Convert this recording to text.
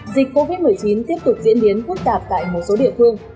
dịch covid một mươi chín tiếp tục diễn biến phức tạp tại một số địa phương